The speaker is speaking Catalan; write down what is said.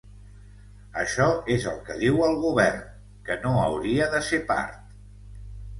Això és el que diu el govern, que no hauria de ser part.